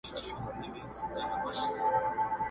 ورک له نورو ورک له ځانه،